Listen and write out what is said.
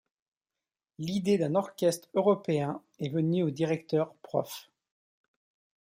L'idée d'un orchestre européen est venue au directeur Prof.